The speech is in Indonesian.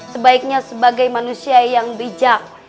sebaiknya sebagai manusia yang bijak